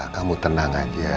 kamu tenang aja